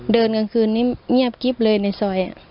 กลางคืนนี้เงียบกิ๊บเลยในซอย